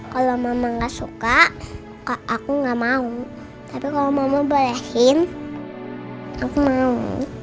kalau mama gak suka aku gak mau tapi kalau mama bayahin aku mau